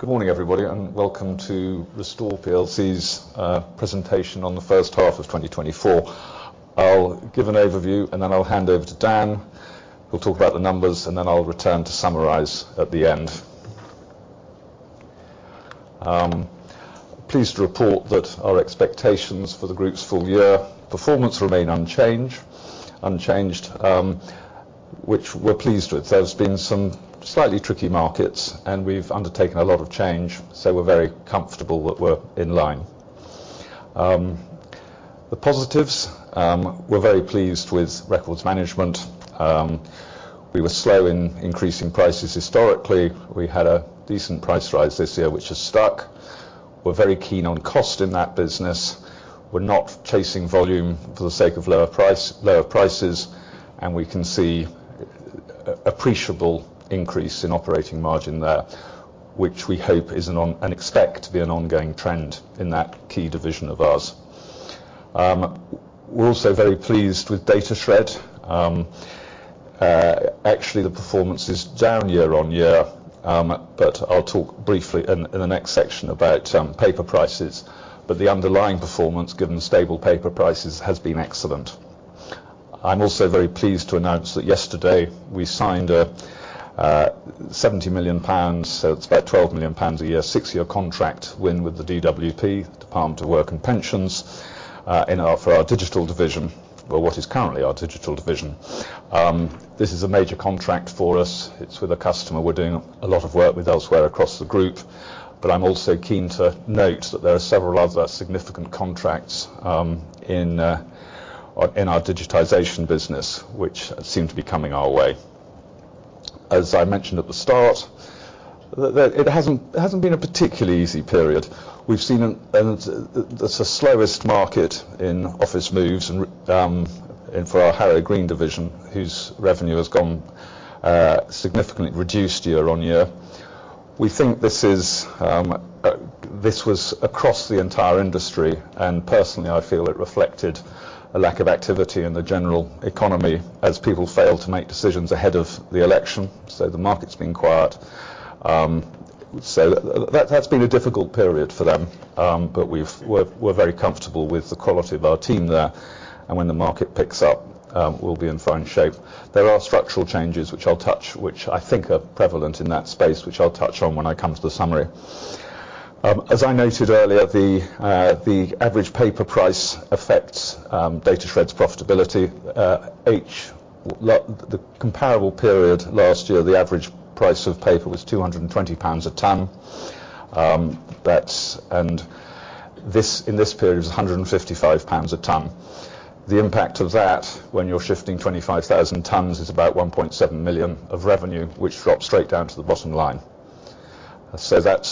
Good morning, everybody, and welcome to Restore plc's presentation on the first half of 2024. I'll give an overview, and then I'll hand over to Dan, who'll talk about the numbers, and then I'll return to summarize at the end. Pleased to report that our expectations for the group's full year performance remain unchanged, which we're pleased with. There's been some slightly tricky markets, and we've undertaken a lot of change, so we're very comfortable that we're in line. The positives, we're very pleased with Records Management. We were slow in increasing prices historically. We had a decent price rise this year, which has stuck. We're very keen on cost in that business. We're not chasing volume for the sake of lower prices, and we can see an appreciable increase in operating margin there, which we hope and expect to be an ongoing trend in that key division of ours. We're also very pleased with Datashred. Actually, the performance is down year-on-year, but I'll talk briefly in the next section about paper prices. But the underlying performance, given stable paper prices, has been excellent. I'm also very pleased to announce that yesterday we signed a 70 million pounds, so it's about 12 million pounds a year, six-year contract win with the DWP, Department for Work and Pensions, for our Digital division, or what is currently our Digital division. This is a major contract for us. It's with a customer we're doing a lot of work with elsewhere across the group, but I'm also keen to note that there are several other significant contracts in our digitization business, which seem to be coming our way. As I mentioned at the start, that it hasn't been a particularly easy period. We've seen there's a slowest market in office moves and for our Harrow Green division, whose revenue has gone significantly reduced year on year. We think this was across the entire industry, and personally, I feel it reflected a lack of activity in the general economy as people failed to make decisions ahead of the election. So the market's been quiet. So that's been a difficult period for them, but we're very comfortable with the quality of our team there, and when the market picks up, we'll be in fine shape. There are structural changes, which I'll touch, which I think are prevalent in that space, which I'll touch on when I come to the summary. As I noted earlier, the average paper price affects Datashred's profitability. The comparable period last year, the average price of paper was 220 pounds a ton. That's, and this, in this period, is 155 pounds a ton. The impact of that, when you're shifting 25,000 tons, is about 1.7 million of revenue, which drops straight down to the bottom line. So that's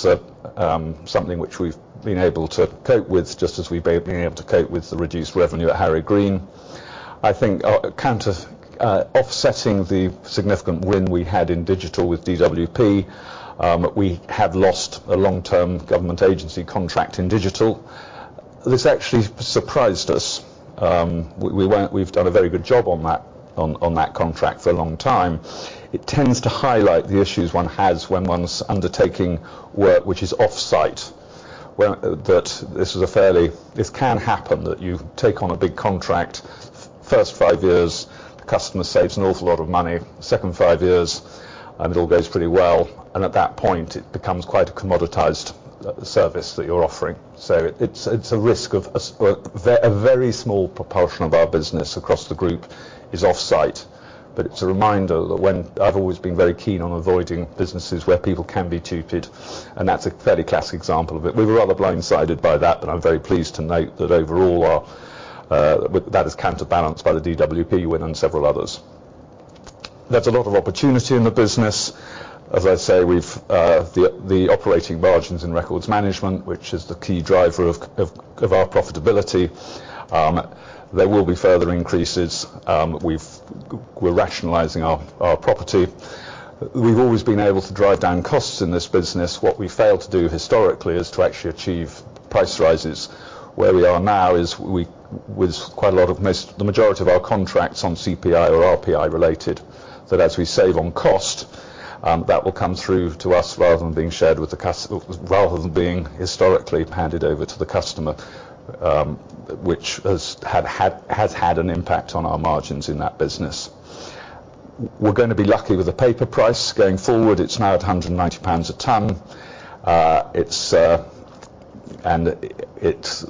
something which we've been able to cope with, just as we've been able to cope with the reduced revenue at Harrow Green. I think counter offsetting the significant win we had in Digital with DWP, we have lost a long-term government agency contract in Digital. This actually surprised us. We've done a very good job on that, on that contract for a long time. It tends to highlight the issues one has when one's undertaking work which is off-site. That this is a fairly, this can happen, that you take on a big contract. First five years, the customer saves an awful lot of money. Second five years, and it all goes pretty well, and at that point, it becomes quite a commoditized service that you're offering. So it's a risk of a, A very small proportion of our business across the group is off-site, but it's a reminder that when I've always been very keen on avoiding businesses where people can be TUPE'd, and that's a fairly classic example of it. We were rather blindsided by that, but I'm very pleased to note that overall, our, that is counterbalanced by the DWP win and several others. There's a lot of opportunity in the business. As I say, we've, the operating margins in Records Management, which is the key driver of our profitability, there will be further increases. We're rationalizing our, our property. We've always been able to drive down costs in this business. What we failed to do historically is to actually achieve price rises. Where we are now is, with quite a lot of the majority of our contracts on CPI or RPI related, that as we save on cost, that will come through to us rather than being shared with the customer. Rather than being historically handed over to the customer, which has had an impact on our margins in that business. We're gonna be lucky with the paper price. Going forward, it's now at 190 pounds a ton. It's and it's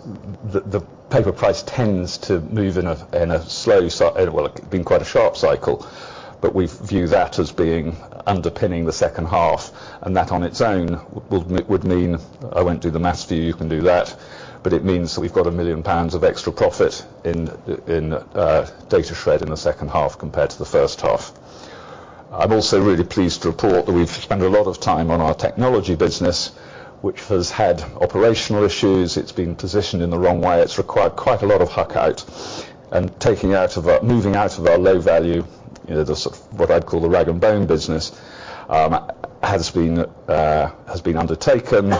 the paper price tends to move in a slow cycle, well, it's been quite a sharp cycle, but we view that as being underpinning the second half, and that on its own would mean, I won't do the math for you, you can do that, but it means that we've got 1 million pounds of extra profit in Datashred in the second half compared to the first half. I'm also really pleased to report that we've spent a lot of time on our Technology business, which has had operational issues. It's been positioned in the wrong way. It's required quite a lot of chuck out and taking out of our, moving out of our low value, you know, the sort of what I'd call the rag and bone business has been undertaken.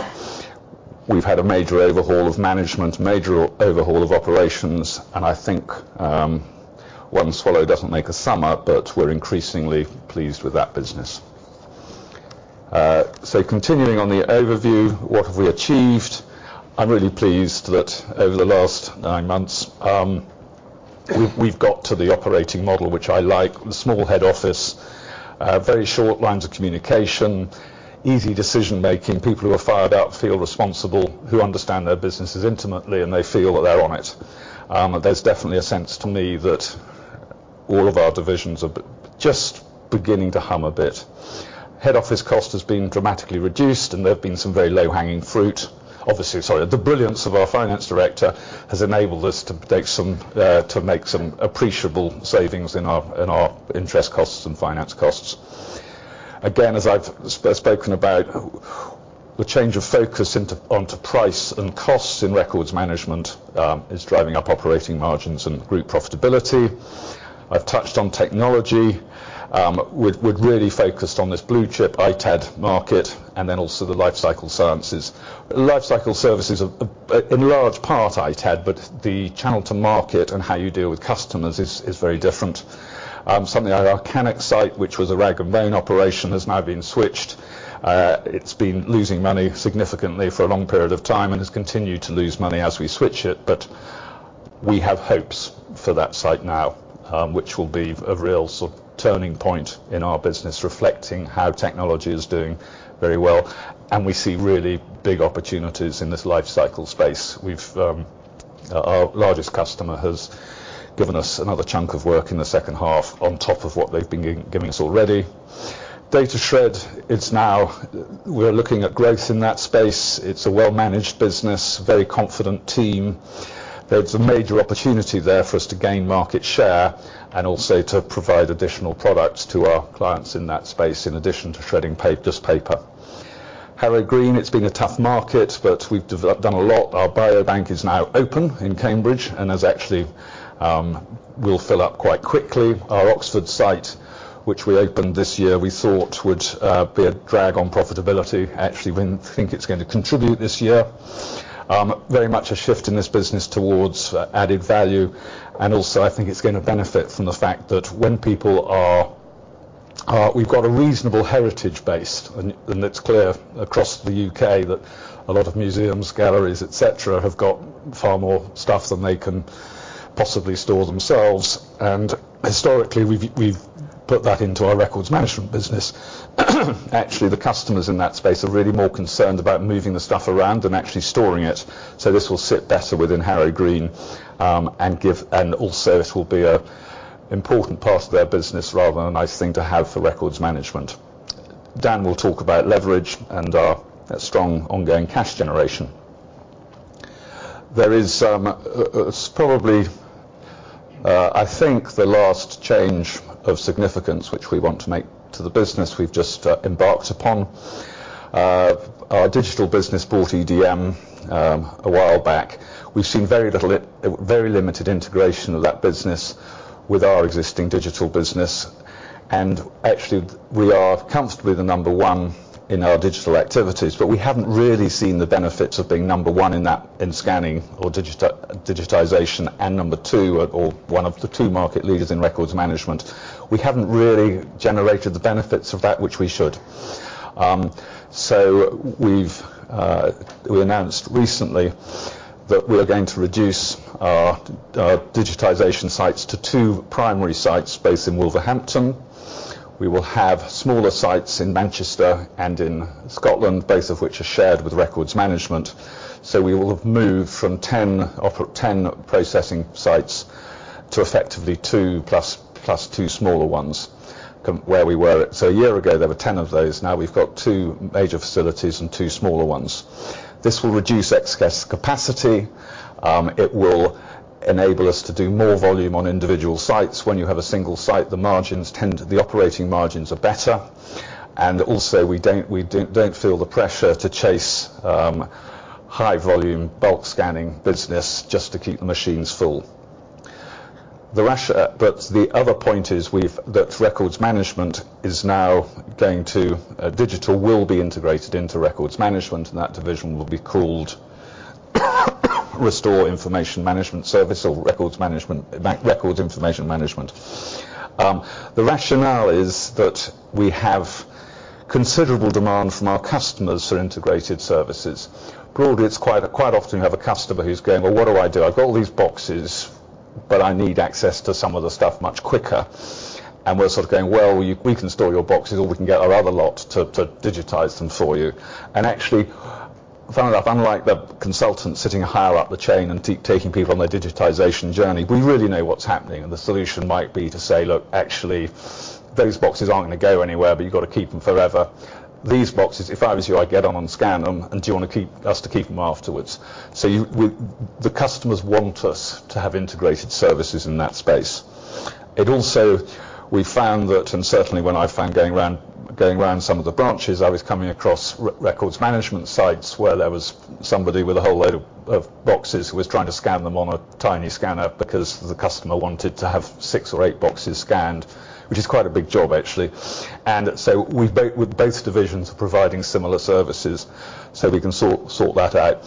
We've had a major overhaul of management, major overhaul of operations, and I think, one swallow doesn't make a summer, but we're increasingly pleased with that business. So continuing on the overview, what have we achieved? I'm really pleased that over the last nine months, we've got to the operating model, which I like. The small head office, very short lines of communication, easy decision-making. People who are fired up feel responsible, who understand their businesses intimately, and they feel that they're on it. There's definitely a sense to me that all of our divisions are just beginning to hum a bit. Head office cost has been dramatically reduced, and there have been some very low-hanging fruit. Obviously, sorry, the brilliance of our finance director has enabled us to take some to make some appreciable savings in our, in our interest costs and finance costs. Again, as I've spoken about, the change of focus onto price and costs in Records Management is driving up operating margins and group profitability. I've touched on Technology, we've really focused on this blue-chip ITAD market and then also the Lifecycle Sciences. Lifecycle services are in large part, ITAD, but the channel to market and how you deal with customers is very different. Our Cannock site, which was a rag and bone operation, has now been switched. It's been losing money significantly for a long period of time, and has continued to lose money as we switch it, but we have hopes for that site now, which will be a real sort of turning point in our business, reflecting how Technology is doing very well, and we see really big opportunities in this Lifecycle space. Our largest customer has given us another chunk of work in the second half on top of what they've been giving us already. Datashred, it's now we're looking at growth in that space. It's a well-managed business, very confident team. There's a major opportunity there for us to gain market share and also to provide additional products to our clients in that space, in addition to shredding just paper. Harrow Green, it's been a tough market, but we've done a lot. Our biobank is now open in Cambridge, and has actually will fill up quite quickly. Our Oxford site, which we opened this year, we thought would be a drag on profitability. Actually, we think it's going to contribute this year. Very much a shift in this business towards added value, and also, I think it's going to benefit from the fact that when people are we've got a reasonable heritage base, and it's clear across the U.K. that a lot of museums, galleries, et cetera, have got far more stuff than they can possibly store themselves, and historically, we've put that into our Records Management business. Actually, the customers in that space are really more concerned about moving the stuff around than actually storing it, so this will sit better within Harrow Green, and also, this will be an important part of their business, rather than a nice thing to have for Records Management. Dan will talk about leverage and our strong ongoing cash generation. There is probably, I think, the last change of significance which we want to make to the business we've just embarked upon. Our Digital business bought EDM a while back. We've seen very little very limited integration of that business with our existing Digital business, and actually, we are comfortably the number one in our Digital activities. But we haven't really seen the benefits of being number one in that, in scanning or digitization, and number two, or one of the two market leaders in Records Management. We haven't really generated the benefits of that, which we should. So we've announced recently that we are going to reduce our digitization sites to two primary sites based in Wolverhampton. We will have smaller sites in Manchester and in Scotland, both of which are shared with Records Management. So we will have moved from 10 processing sites to effectively two, plus two smaller ones than where we were. So a year ago, there were 10 of those. Now, we've got two major facilities and two smaller ones. This will reduce excess capacity. It will enable us to do more volume on individual sites. When you have a single site, the margins tend to. The operating margins are better, and also, we don't feel the pressure to chase high volume, bulk scanning business just to keep the machines full. But the other point is we've that Records Management is now going to. Digital will be integrated into Records Management, and that division will be called, Restore Information Management Service or Records Management, Records Information Management. The rationale is that we have considerable demand from our customers for integrated services. Broadly, it's quite, quite often, you have a customer who's going, "Well, what do I do? I've got all these boxes, but I need access to some of the stuff much quicker." And we're sort of going, "Well, we can store your boxes, or we can get our other lot to digitize them for you." And actually, funnily enough, unlike the consultants sitting higher up the chain and taking people on their digitization journey, we really know what's happening, and the solution might be to say, "Look, actually, those boxes aren't going to go anywhere, but you've got to keep them forever. These boxes, if I was you, I'd get on them and scan them, and do you want us to keep them afterwards?" So you, we, the customers want us to have integrated services in that space. It also, we found that, and certainly when I found going around, going around some of the branches, I was coming across Records Management sites where there was somebody with a whole load of boxes, who was trying to scan them on a tiny scanner, because the customer wanted to have six or eight boxes scanned, which is quite a big job, actually. And so we've both, with both divisions providing similar services, so we can sort that out,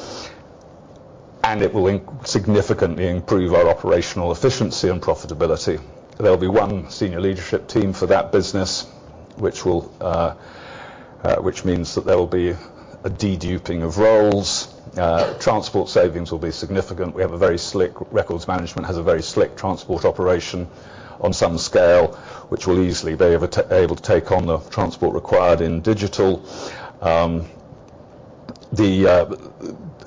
and it will significantly improve our operational efficiency and profitability. There will be one senior leadership team for that business, which will, which means that there will be a deduping of roles. Transport savings will be significant. Records Management has a very slick transport operation on some scale, which will easily be able to take on the transport required in Digital.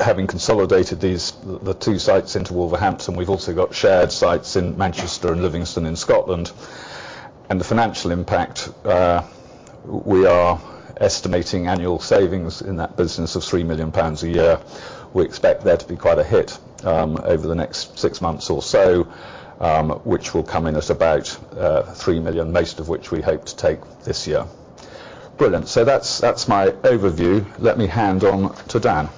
Having consolidated these two sites into Wolverhampton, we've also got shared sites in Manchester and Livingston in Scotland. The financial impact, we are estimating annual savings in that business of 3 million pounds a year. We expect there to be quite a hit over the next six months or so, which will come in at about 3 million, most of which we hope to take this year. Brilliant. So that's my overview. Let me hand over to Dan.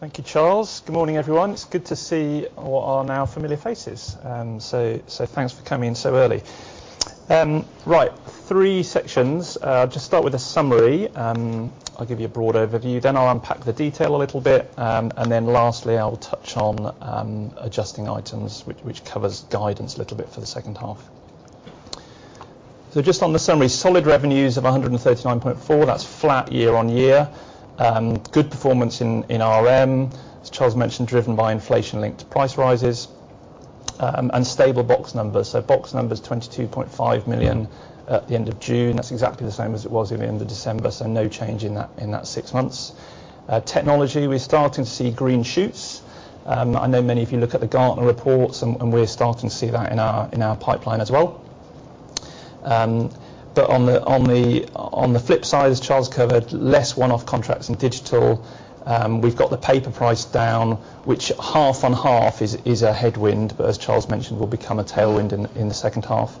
Thank you, Charles. Good morning, everyone. It's good to see what are now familiar faces, so thanks for coming in so early. Right, three sections. Just start with a summary. I'll give you a broad overview, then I'll unpack the detail a little bit. And then lastly, I will touch on adjusting items, which covers guidance a little bit for the second half. So just on the summary, solid revenues of 139.4 million, that's flat year-on-year. Good performance in RM, as Charles mentioned, driven by inflation-linked price rises, and stable box numbers. So box numbers, 22.5 million at the end of June. That's exactly the same as it was at the end of December, so no change in that six months. Technology, we're starting to see green shoots. I know many of you look at the Gartner reports, and we're starting to see that in our pipeline as well. But on the flip side, Charles covered less one-off contracts in Digital. We've got the paper price down, which half on half is a headwind, but as Charles mentioned, will become a tailwind in the second half,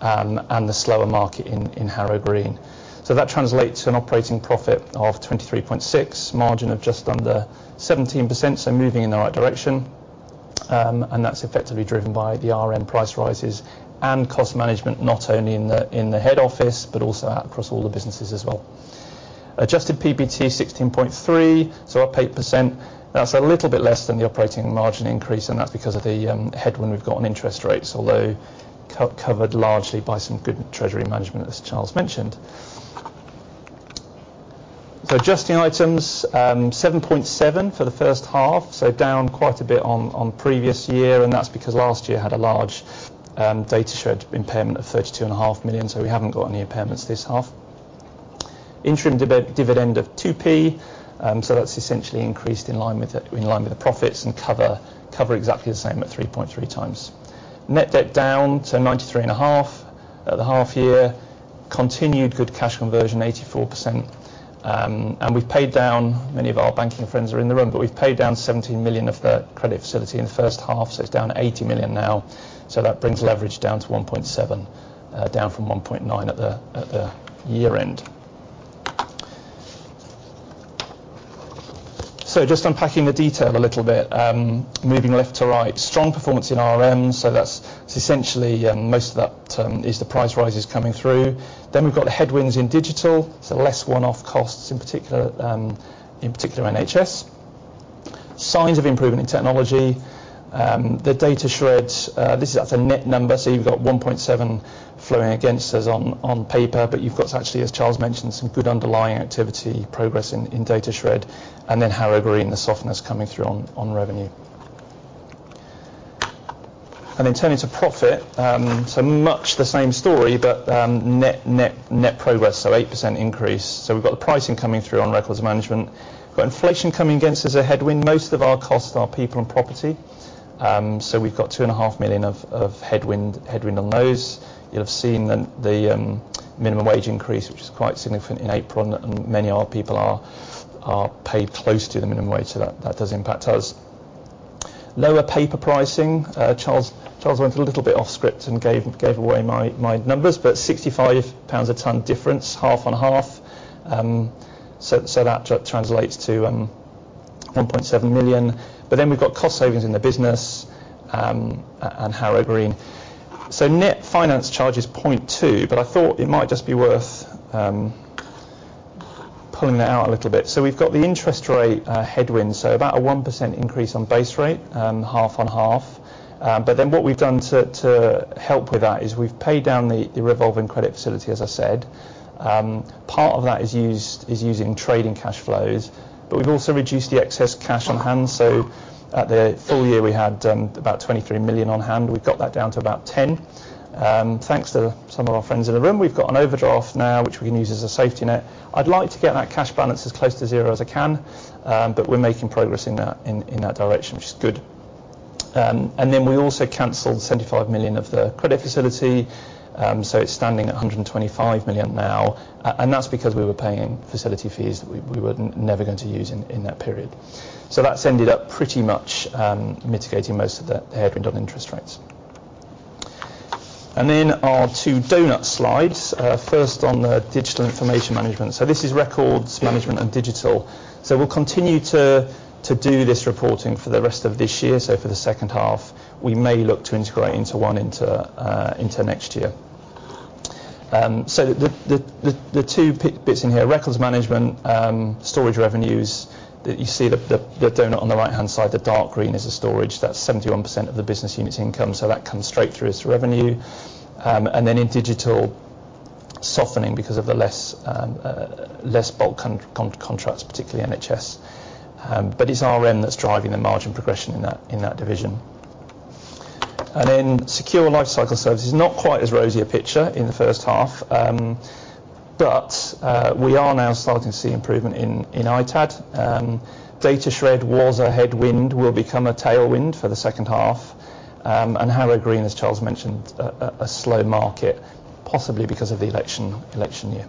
and the slower market in Harrow Green. So that translates to an operating profit of 23.6 million, margin of just under 17%, so moving in the right direction. And that's effectively driven by the RM price rises and cost management, not only in the head office, but also out across all the businesses as well. Adjusted PBT 16.3 million, so up 8%. That's a little bit less than the operating margin increase, and that's because of the headwind we've got on interest rates, although covered largely by some good treasury management, as Charles mentioned. So adjusting items, 7.7 million for the first half, so down quite a bit on, on previous year, and that's because last year had a large Datashred impairment of 32.5 million, so we haven't got any impairments this half. Interim dividend of 2p, so that's essentially increased in line with the, in line with the profits and cover, cover exactly the same at 3.3x. Net debt down to 93.5 million at the half year. Continued good cash conversion, 84%. And we've paid down, many of our banking friends are in the room, but we've paid down 17 million of the credit facility in the first half, so it's down to 80 million now. So that brings leverage down to 1.7x, down from 1.9x at the year-end. So just unpacking the detail a little bit, moving left to right. Strong performance in RM, so that's essentially, most of that, is the price rises coming through. Then we've got the headwinds in Digital, so less one-off costs, in particular, in particular, NHS. Signs of improvement in Technology. The datashred, this is, that's a net number, so you've got 1.7 million flowing against us on paper, but you've got actually, as Charles mentioned, some good underlying activity progress in data shred, and then Harrow Green, the softness coming through on revenue. And then turning to profit, so much the same story, but net progress, so 8% increase. So we've got the pricing coming through on Records Management. We've got inflation coming against us, a headwind. Most of our costs are people and property, so we've got 2.5 million of headwind on those. You'll have seen the minimum wage increase, which is quite significant in April, and many of our people are paid close to the minimum wage, so that does impact us. Lower paper pricing. Charles went a little bit off script and gave away my numbers, but 65 pounds a ton difference, half on half. So that translates to 1.7 million. But then we've got cost savings in the business and Harrow Green. So net finance charge is 0.2 million, but I thought it might just be worth pulling that out a little bit. So we've got the interest rate headwind, so about a 1% increase on base rate, half on half. But then what we've done to help with that is we've paid down the revolving credit facility, as I said. Part of that is using trading cash flows, but we've also reduced the excess cash on hand. So at the full year, we had about 23 million on hand. We've got that down to about 10 million. Thanks to some of our friends in the room, we've got an overdraft now, which we can use as a safety net. I'd like to get that cash balance as close to zero as I can, but we're making progress in that direction, which is good. And then we also canceled 75 million of the credit facility, so it's standing at 125 million now, and that's because we were paying facility fees that we were never going to use in that period. So that's ended up pretty much mitigating most of the headwind on interest rates. And then our two donut slides, first on the Digital Information Management. So this is Records Management and Digital. We'll continue to do this reporting for the rest of this year. For the second half, we may look to integrate into one into next year. The two parts in here, Records Management, storage revenues, that you see the donut on the right-hand side, the dark green is the storage. That's 71% of the business unit's income, so that comes straight through as revenue. And then in Digital, softening because of the less bulk contracts, particularly NHS. But it's RM that's driving the margin progression in that division. And then Secure Lifecycle Services, not quite as rosy a picture in the first half. But we are now starting to see improvement in ITAD. Datashred was a headwind, will become a tailwind for the second half. And Harrow Green, as Charles mentioned, a slow market, possibly because of the election year.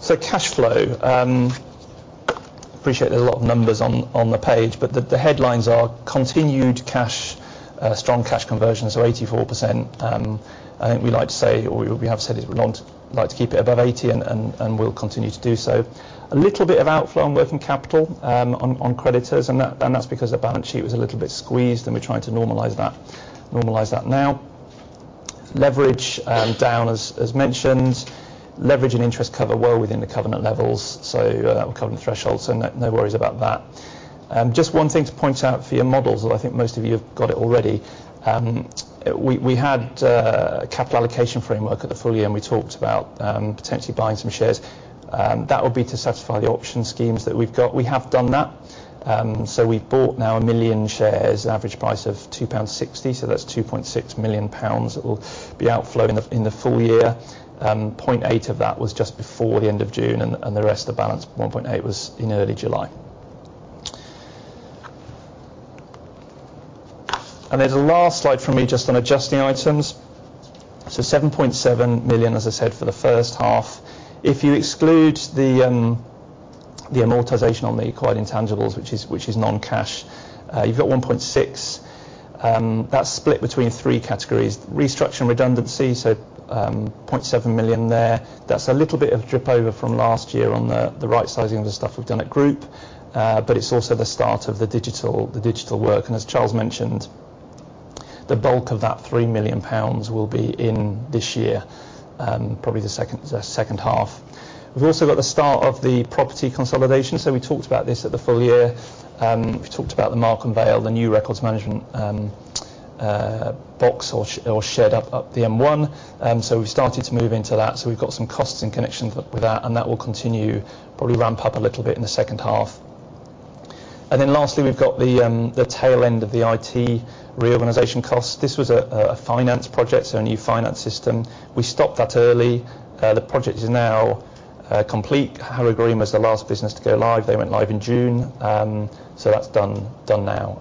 So cash flow, appreciate there's a lot of numbers on the page, but the headlines are continued strong cash conversion, so 84%. I think we like to say, or we have said it, we'd like to keep it above 80%, and we'll continue to do so. A little bit of outflow on working capital, on creditors, and that's because the balance sheet was a little bit squeezed, and we're trying to normalize that now. Leverage, down as mentioned, leverage and interest cover well within the covenant levels, so that will cover the thresholds, so no worries about that. Just one thing to point out for your models, although I think most of you have got it already. We had a Capital Allocation Framework at the full year, and we talked about potentially buying some shares. That would be to satisfy the option schemes that we've got. We have done that. So we've bought now 1 million shares, average price of 2.60 pounds, so that's 2.6 million pounds. It will be outflowing in the full year. 0.8 million of that was just before the end of June, and the rest, the balance, 1.8 million, was in early July. There's a last slide from me just on adjusting items. So 7.7 million, as I said, for the first half. If you exclude the amortization on the acquired intangibles, which is non-cash, you've got 1.6 million. That's split between three categories. Restructure and redundancy, so, 0.7 million there. That's a little bit of drip over from last year on the right sizing of the stuff we've done at group, but it's also the start of the Digital work. And as Charles mentioned, the bulk of that 3 million pounds will be in this year, probably the second half. We've also got the start of the property consolidation. So we talked about this at the full year. We talked about the Markham Vale, the new Records Management box or shed up the M1. So we've started to move into that, so we've got some costs in connection with that, and that will continue, probably ramp up a little bit in the second half. And then lastly, we've got the tail end of the IT reorganization costs. This was a finance project, so a new finance system. We stopped that early. The project is now complete. Harrow Green was the last business to go live. They went live in June. So that's done now.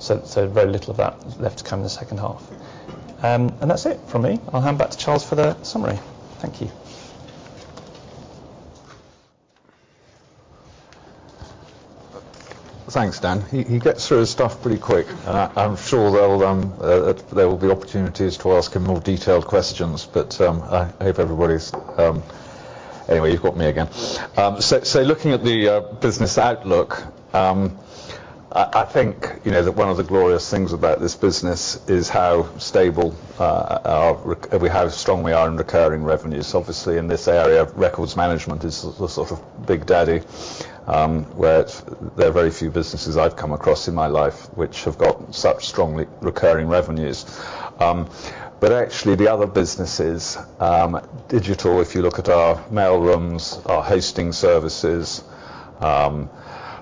So very little of that left to come in the second half. And that's it from me. I'll hand back to Charles for the summary. Thank you. Thanks, Dan. He gets through his stuff pretty quick, and I'm sure there will be opportunities to ask him more detailed questions, but I hope everybody's... Anyway, you've got me again. So, looking at the business outlook, I think, you know, that one of the glorious things about this business is how stable, how strong we are in recurring revenues. Obviously, in this area, Records Management is the sort of big daddy, where there are very few businesses I've come across in my life which have got such strongly recurring revenues. But actually, the other businesses, Digital, if you look at our mail rooms, our hosting services,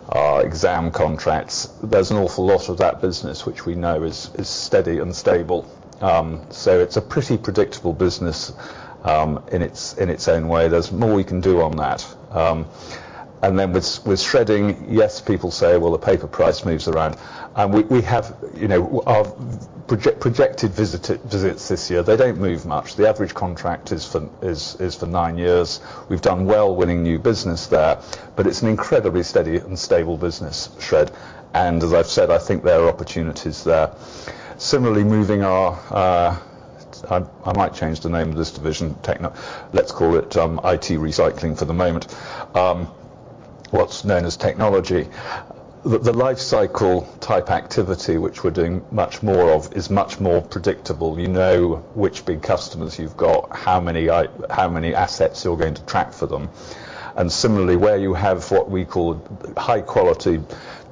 our exam contracts, there's an awful lot of that business which we know is steady and stable. So it's a pretty predictable business, in its own way. There's more we can do on that. And then with shredding, yes, people say, "Well, the paper price moves around." And we have, you know, our projected visits this year, they don't move much. The average contract is for nine years. We've done well winning new business there, but it's an incredibly steady and stable business, shred. And as I've said, I think there are opportunities there. Similarly, moving our... I might change the name of this division, Techno. Let's call it IT recycling for the moment. What's known as Technology. The Lifecycle type activity, which we're doing much more of, is much more predictable. You know which big customers you've got, how many how many assets you're going to track for them. And similarly, where you have what we call high-quality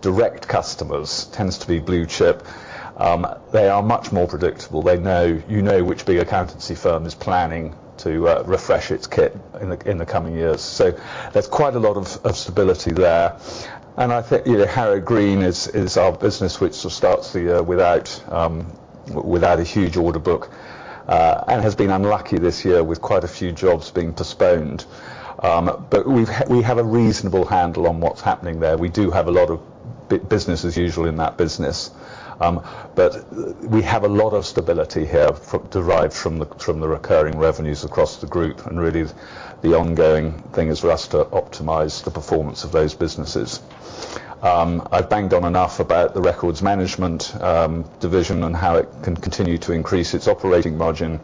direct customers, tends to be blue chip, they are much more predictable. They know, you know which big accountancy firm is planning to, refresh its kit in the, in the coming years. So there's quite a lot of stability there. And I think, you know, Harrow Green is our business which sort of starts the year without a huge order book, and has been unlucky this year with quite a few jobs being postponed. But we have a reasonable handle on what's happening there. We do have a lot of business as usual in that business. But we have a lot of stability here derived from the recurring revenues across the group, and really, the ongoing thing is for us to optimize the performance of those businesses. I've banged on enough about the Records Management division and how it can continue to increase its operating margin.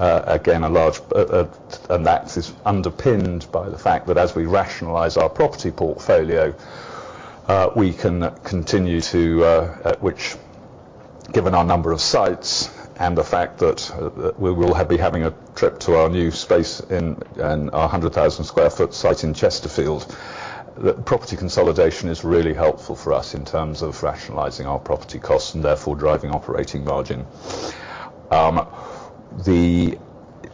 And that is underpinned by the fact that as we rationalize our property portfolio, we can continue to, at which, given our number of sites and the fact that we will be having a trip to our new space in our 100,000 sq ft site in Chesterfield, that property consolidation is really helpful for us in terms of rationalizing our property costs and therefore driving operating margin.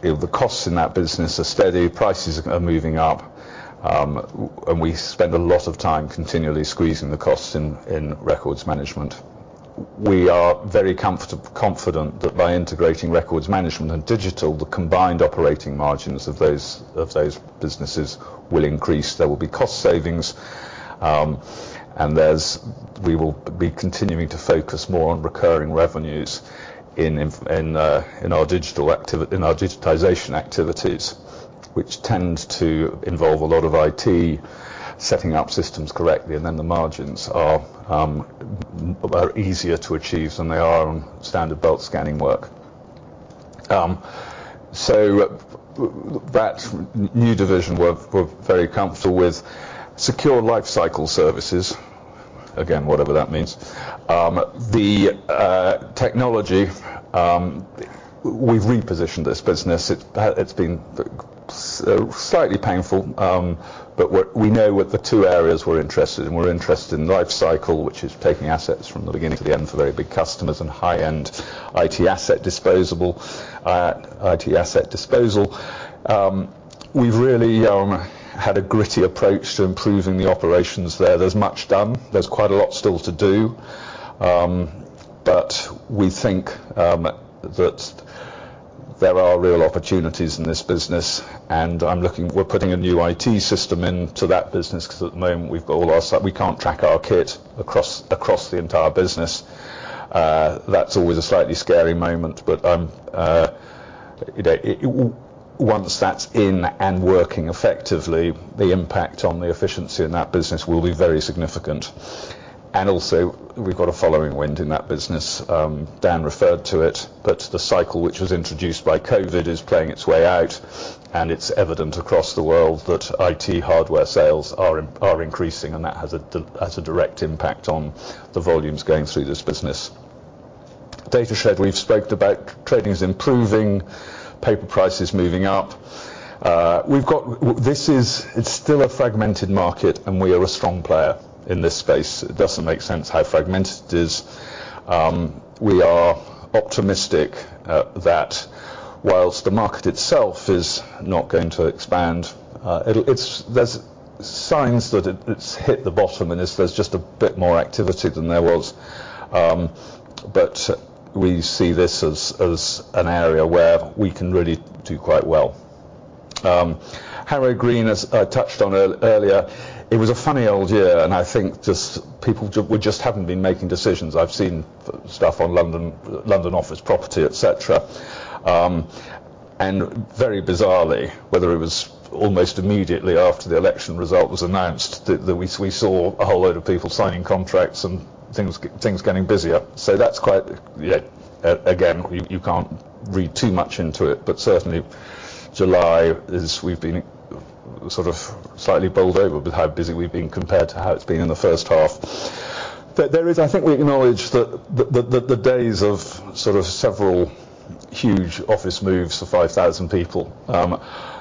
The costs in that business are steady, prices are moving up, and we spend a lot of time continually squeezing the costs in Records Management. We are very confident that by integrating Records Management and Digital, the combined operating margins of those businesses will increase. There will be cost savings, and we will be continuing to focus more on recurring revenues in our Digital activity, in our digitization activities, which tend to involve a lot of IT, setting up systems correctly, and then the margins are easier to achieve than they are on standard bulk scanning work. So that new division, we're very comfortable with Secure Lifecycle Services. Again, whatever that means. The Technology, we've repositioned this business. It's been so slightly painful, but what we know, what the two areas we're interested in, we're interested in Lifecycle, which is taking assets from the beginning to the end for very big customers and high-end IT asset disposable, IT asset disposal. We've really had a gritty approach to improving the operations there. There's much done. There's quite a lot still to do, but we think that there are real opportunities in this business, and I'm looking—we're putting a new IT system into that business, 'cause at the moment, we've got all our stuff. We can't track our kit across the entire business. That's always a slightly scary moment, but once that's in and working effectively, the impact on the efficiency in that business will be very significant. And also, we've got a following wind in that business. Dan referred to it, but the cycle, which was introduced by COVID, is playing its way out, and it's evident across the world that IT hardware sales are increasing, and that has a direct impact on the volumes going through this business. Datashred, we've spoken about. Trading is improving, paper prices moving up. We've got this. It's still a fragmented market, and we are a strong player in this space. It doesn't make sense how fragmented it is. We are optimistic that whilst the market itself is not going to expand, there are signs that it has hit the bottom, and there's just a bit more activity than there was. But we see this as an area where we can really do quite well. Harrow Green, as I touched on earlier, it was a funny old year, and I think just people, we just haven't been making decisions. I've seen stuff on London office property, et cetera. And very bizarrely, whether it was almost immediately after the election result was announced, that we saw a whole load of people signing contracts and things getting busier. So that's quite, again, you can't read too much into it, but certainly July, we've been sort of slightly bowled over with how busy we've been compared to how it's been in the first half. I think we acknowledge that the days of sort of several huge office moves for 5,000 people,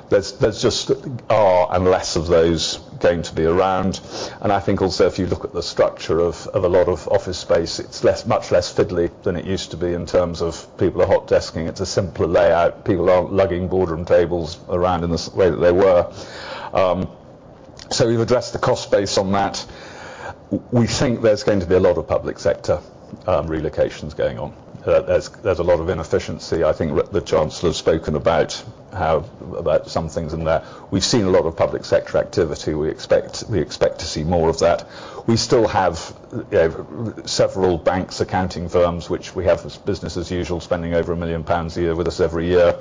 there's just fewer and less of those going to be around, and I think also, if you look at the structure of a lot of office space, it's much less fiddly than it used to be in terms of people are hot desking. It's a simpler layout. People aren't lugging boardroom tables around in the same way that they were. So we've addressed the cost base on that. We think there's going to be a lot of public sector relocations going on. There's a lot of inefficiency. I think the chancellor has spoken about some things in there. We've seen a lot of public sector activity. We expect to see more of that. We still have several banks, accounting firms, which we have as business as usual, spending over 1 million pounds a year with us every year.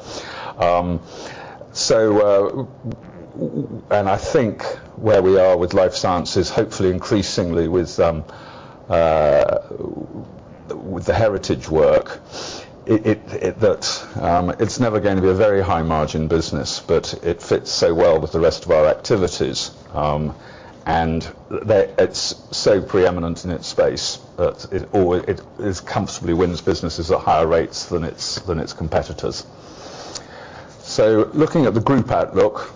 And I think where we are with life sciences, hopefully increasingly with the heritage work, it's never going to be a very high-margin business, but it fits so well with the rest of our activities. And that it's so preeminent in its space that it always it comfortably wins businesses at higher rates than its competitors. So looking at the group outlook,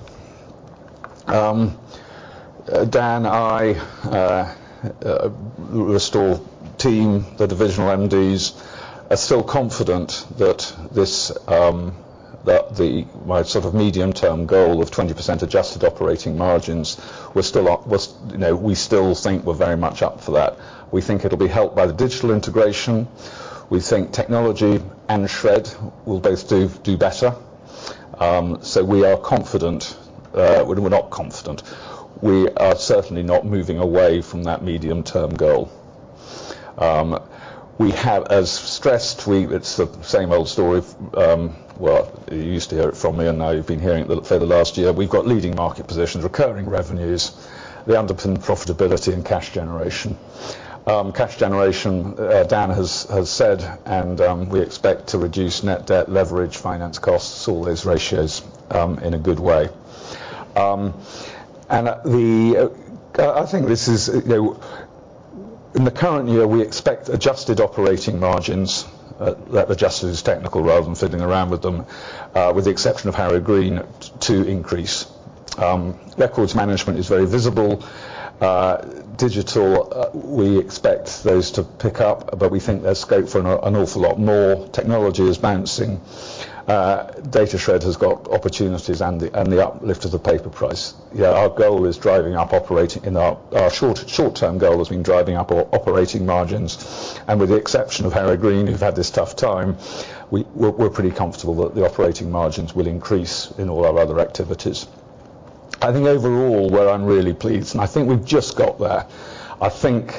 Dan, the Restore team, the divisional MDs, are still confident that this, that my sort of medium-term goal of 20% adjusted operating margins, we're still up for that, you know, we still think we're very much up for that. We think it'll be helped by the Digital integration. We think Technology and Shred will both do better. So we are confident, we're not confident. We are certainly not moving away from that medium-term goal. We have, as stressed, it's the same old story, well, you used to hear it from me, and now you've been hearing it for the last year. We've got leading market positions, recurring revenues, they underpin the profitability and cash generation. Cash generation, Dan has said, and we expect to reduce net debt leverage, finance costs, all those ratios, in a good way. And at the, I think this is, you know, in the current year, we expect adjusted operating margins, that adjusted is technical rather than fiddling around with them, with the exception of Harrow Green, to increase. Records Management is very visible. Digital, we expect those to pick up, but we think there's scope for an awful lot more. Technology is bouncing. Datashred has got opportunities and the uplift of the paper price. Yeah, our goal is driving up our operating margins, and with the exception of Harrow Green, who've had this tough time, we're pretty comfortable that the operating margins will increase in all our other activities. I think overall, where I'm really pleased, and I think we've just got there, I think,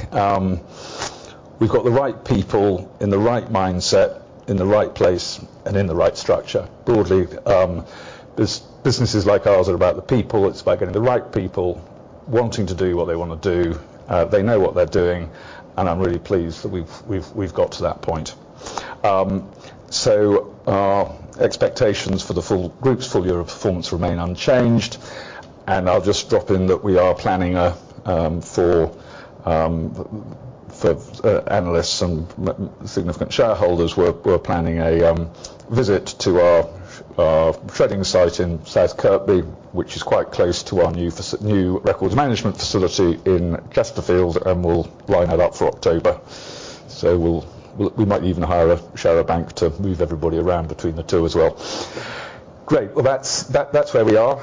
we've got the right people in the right mindset, in the right place, and in the right structure. Broadly, businesses like ours are about the people. It's about getting the right people, wanting to do what they wanna do. They know what they're doing, and I'm really pleased that we've got to that point. So our expectations for the full group's full year of performance remain unchanged, and I'll just drop in that we are planning a forum for analysts and most significant shareholders. We're planning a visit to our shredding site in South Kirkby, which is quite close to our new records management facility in Chesterfield, and we'll line that up for October. So we'll, we might even hire a charter bus to move everybody around between the two as well. Great. Well, that's where we are.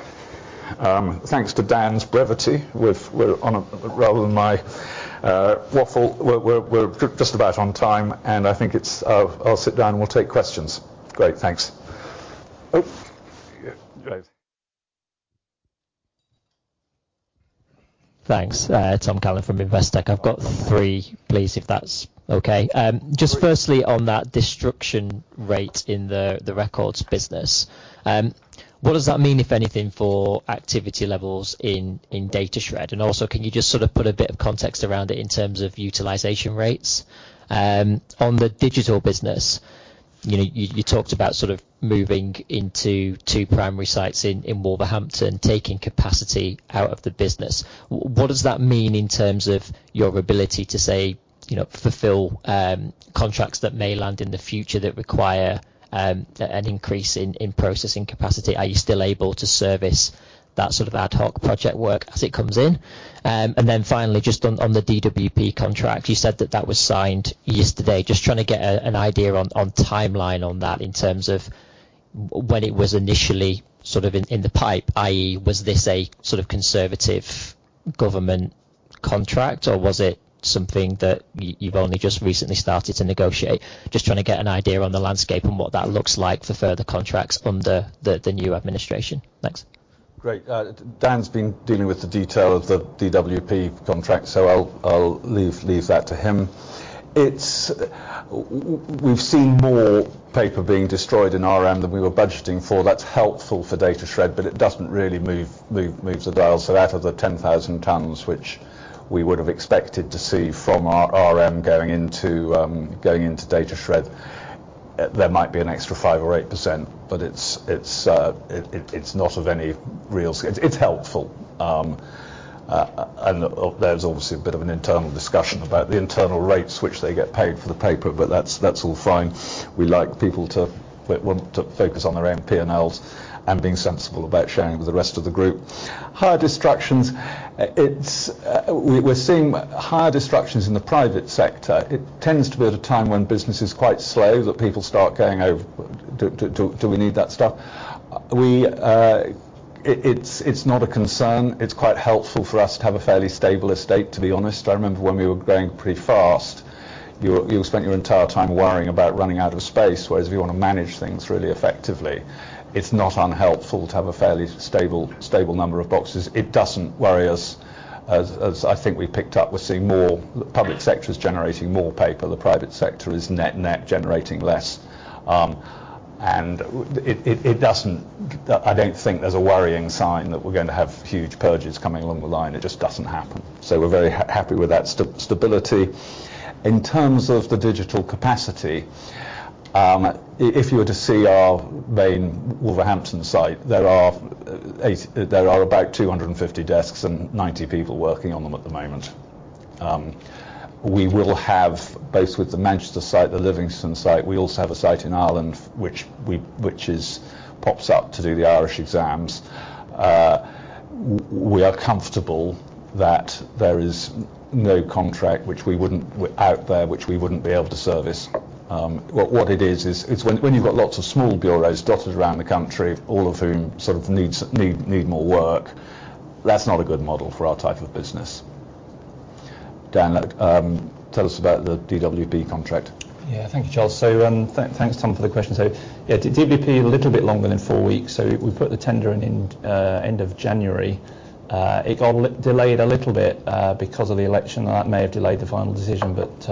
Thanks to Dan's brevity, we're on a, rather than my waffle, we're just about on time, and I think it's, I'll sit down, and we'll take questions. Great, thanks. Oh, great. Thanks. Tom Callan from Investec. I've got three, please, if that's okay. Just firstly, on that destruction rate in the Records business, what does that mean, if anything, for activity levels in Datashred? And also, can you just sort of put a bit of context around it in terms of utilization rates? On the Digital business, you know, you talked about sort of moving into two primary sites in Wolverhampton, taking capacity out of the business. What does that mean in terms of your ability to say, you know, fulfill contracts that may land in the future that require an increase in processing capacity? Are you still able to service that sort of ad hoc project work as it comes in? And then finally, just on the DWP contract, you said that that was signed yesterday. Just trying to get an idea on timeline on that in terms of when it was initially sort of in the pipe, i.e., was this a sort of conservative government contract, or was it something that you've only just recently started to negotiate? Just trying to get an idea on the landscape and what that looks like for further contracts under the new administration. Thanks. Great. Dan's been dealing with the detail of the DWP contract, so I'll leave that to him. We've seen more paper being destroyed in RM than we were budgeting for. That's helpful for Datashred, but it doesn't really move the dial. So out of the 10,000 tons, which we would have expected to see from our RM going into Datashred, there might be an extra 5% or 8%, but it's not of any real... It's helpful. And there's obviously a bit of an internal discussion about the internal rates, which they get paid for the paper, but that's all fine. We like people to focus on their own P&Ls and being sensible about sharing with the rest of the group. Higher destructions, we're seeing higher destructions in the private sector. It tends to be at a time when business is quite slow, that people start going over, "Do we need that stuff?" It's not a concern. It's quite helpful for us to have a fairly stable estate, to be honest. I remember when we were growing pretty fast, you spent your entire time worrying about running out of space, whereas we want to manage things really effectively. It's not unhelpful to have a fairly stable number of boxes. It doesn't worry us as I think we picked up, we're seeing more. Public sector is generating more paper. The private sector is net generating less. And it doesn't. I don't think there's a worrying sign that we're going to have huge purges coming along the line. It just doesn't happen. So we're very happy with that stability. In terms of the Digital capacity, if you were to see our main Wolverhampton site, there are about 250 desks and 90 people working on them at the moment. We will have, both with the Manchester site, the Livingston site, we also have a site in Ireland, which pops up to do the Irish exams. We are comfortable that there is no contract out there which we wouldn't be able to service. What it is is when you've got lots of small bureaus dotted around the country, all of whom sort of need more work, that's not a good model for our type of business. Dan, tell us about the DWP contract. Yeah. Thank you, Charles. So, thanks, Tom, for the question. So, yeah, DWP, a little bit longer than four weeks. So we put the tender in in, end of January. It got delayed a little bit, because of the election, and that may have delayed the final decision, but,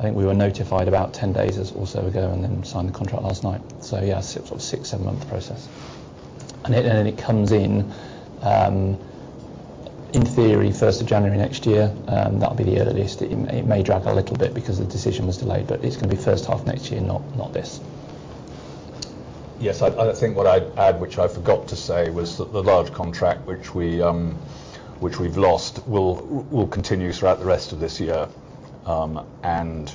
I think we were notified about 10 days or so ago, and then signed the contract last night. So, yeah, so it's a six, seven-month process. And it, and it comes in, in theory, first of January next year, that'll be the earliest. It, it may drag a little bit because the decision was delayed, but it's gonna be first half next year, not, not this. Yes, I think what I'd add, which I forgot to say, was that the large contract which we, which we've lost, will continue throughout the rest of this year. And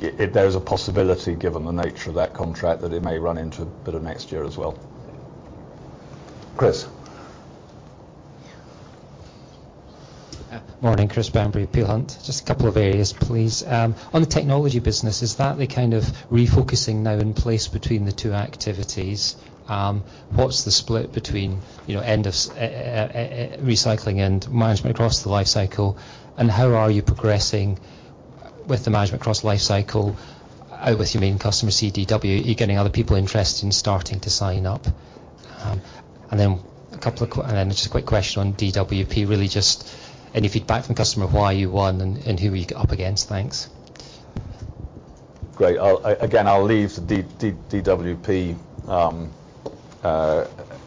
there is a possibility, given the nature of that contract, that it may run into a bit of next year as well. Chris? Morning, Chris Bamberry, Peel Hunt. Just a couple of areas, please. On the Technology business, is that the kind of refocusing now in place between the two activities? What's the split between, you know, end of recycling and management across the Lifecycle? And how are you progressing with the management across the Lifecycle with your main customer, CDW? Are you getting other people interested in starting to sign up? And then just a quick question on DWP. Really, just any feedback from the customer, why you won and who were you up against? Thanks. Great. I'll, again, I'll leave the DWP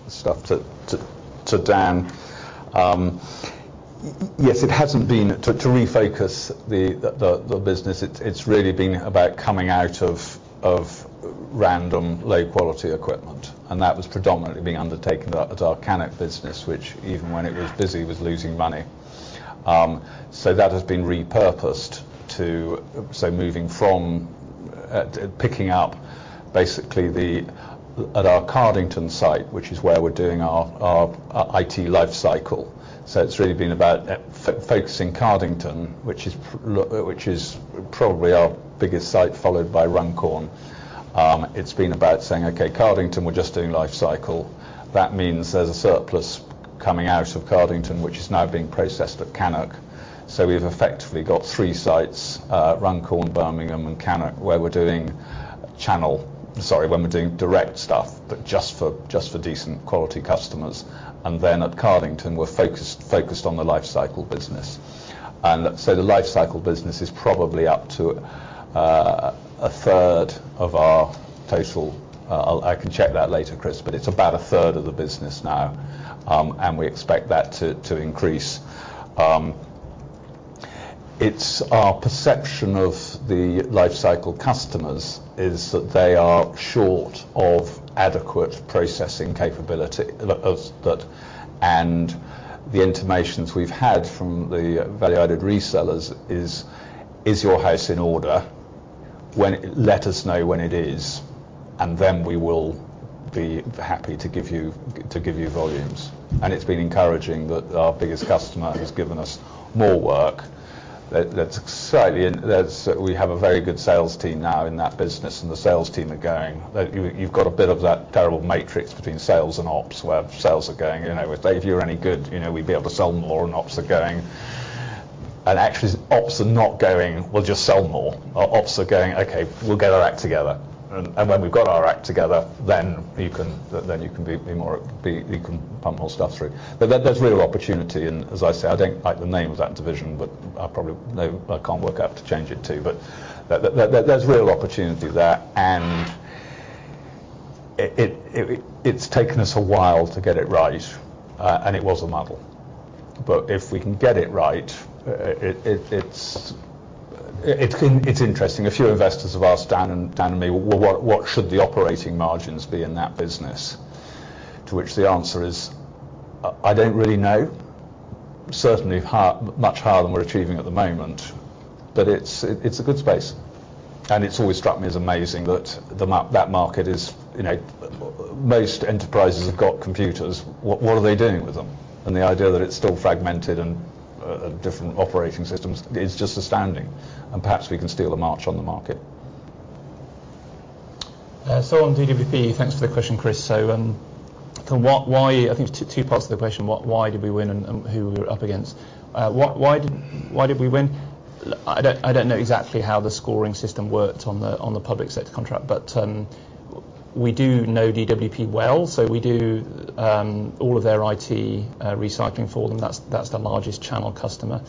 stuff to Dan. Yes, it hasn't been to refocus the business. It's really been about coming out of random low-quality equipment, and that was predominantly being undertaken at our Cannock business, which even when it was busy, was losing money. So that has been repurposed to. So moving from picking up basically the at our Cardington site, which is where we're doing our IT life cycle. So it's really been about focusing Cardington, which is probably our biggest site, followed by Runcorn. It's been about saying: "Okay, Cardington, we're just doing life cycle." That means there's a surplus coming out of Cardington, which is now being processed at Cannock. So we've effectively got three sites, Runcorn, Birmingham, and Cannock, where we're doing direct stuff, but just for decent quality customers. And then, at Cardington, we're focused on the life cycle business. And so the Lifecycle business is probably up to a third of our total. I'll check that later, Chris, but it's about a third of the business now, and we expect that to increase. It's our perception of the Lifecycle customers is that they are short of adequate processing capability. Of that, and the intimations we've had from the value-added resellers is: "Is your house in order? When, let us know when it is, and then we will be happy to give you volumes." And it's been encouraging that our biggest customer has given us more work. That's exciting. We have a very good sales team now in that business, and the sales team are going. You've got a bit of that terrible matrix between sales and ops, where sales are going, you know, "If you're any good, you know, we'd be able to sell more," and ops are going... And actually, ops are not going, "We'll just sell more." Our ops are going, "Okay, we'll get our act together, and when we've got our act together, then you can pump more stuff through." But there's real opportunity, and as I say, I don't like the name of that division, but I probably know I can't work out to change it, too. But there's real opportunity there, and it's taken us a while to get it right, and it was a muddle. But if we can get it right, it's interesting. A few investors have asked Dan and me, "Well, what should the operating margins be in that business?" To which the answer is, "I don't really know. Certainly much higher than we're achieving at the moment." But it's a good space, and it's always struck me as amazing that the market is, you know, most enterprises have got computers. What are they doing with them? And the idea that it's still fragmented and different operating systems is just astounding, and perhaps we can steal a march on the market. So on DWP, thanks for the question, Chris. So, I think two parts to the question, why did we win and who we were up against. Why did we win? I don't know exactly how the scoring system worked on the public sector contract, but we do know DWP well, so we do all of their IT recycling for them. That's the largest channel customer.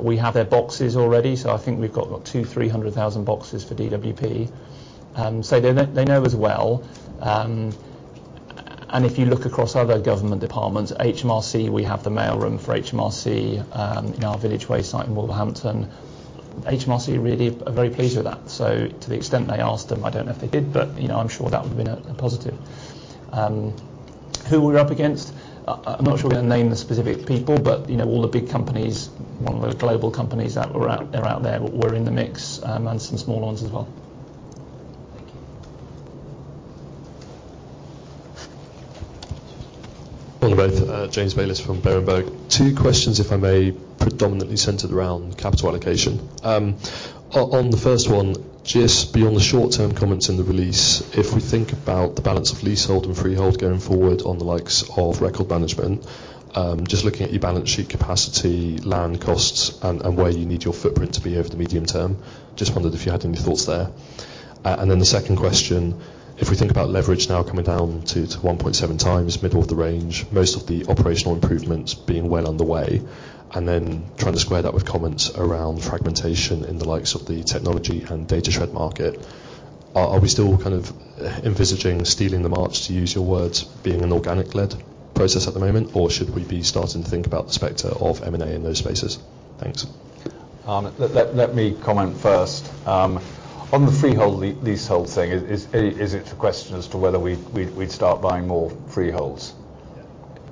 We have their boxes already, so I think we've got 200,000-300,000 boxes for DWP. So they know us well. And if you look across other government departments, HMRC, we have the mailroom for HMRC in our Villiers Way site in Wolverhampton. HMRC really are very pleased with that, so to the extent they asked them, I don't know if they did, but, you know, I'm sure that would have been a positive. Who were we up against? I'm not sure we're gonna name the specific people, but, you know, all the big companies, all the global companies that are out, are out there, were in the mix, and some small ones as well. Hello, both. James Bayliss from Berenberg. Two questions, if I may, predominantly centered around capital allocation. On the first one, just beyond the short-term comments in the release, if we think about the balance of leasehold and freehold going forward on the likes of Records Management, just looking at your balance sheet capacity, land costs, and where you need your footprint to be over the medium term, just wondered if you had any thoughts there. And then the second question, if we think about leverage now coming down to 1.7x, middle of the range, most of the operational improvements being well on the way, and then trying to square that with comments around fragmentation in the likes of the Technology and Datashred market. Are we still kind of envisaging stealing the march, to use your words, being an organic-led process at the moment? Or should we be starting to think about the specter of M&A in those spaces? Thanks. Let me comment first. On the freehold leasehold thing, is it a question as to whether we'd start buying more freeholds?